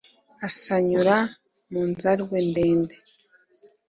ansayura mu nzarwe ndende